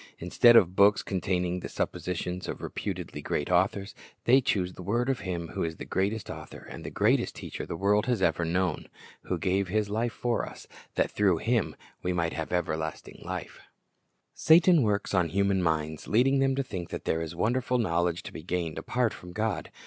Instead of books containing the suppositions of reputedly great authors, they choose the word of Him who is the greatest author and the greatest teacher the world has ever known, who gave His life for us, that through Him we might have everlasting life. RESULTS OF NEGLECTING THE TREASURE Satan works on human minds, leading them to think that there is wonderful knowledge to be gained apart from God.